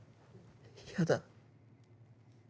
嫌だ。